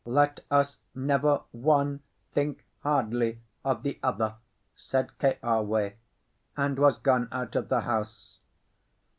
"Let us never one think hardly of the other," said Keawe, and was gone out of the house.